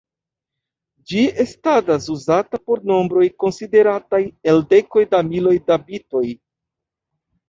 Ĝi estadas uzata por nombroj konsistantaj el dekoj da miloj da bitoj.